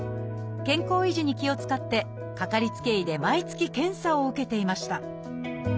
健康維持に気を遣ってかかりつけ医で毎月検査を受けていました